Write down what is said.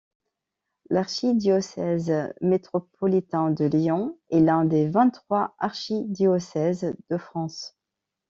L'archidiocèse métropolitain de Lyon est l'un des vingt-trois archidiocèses de France.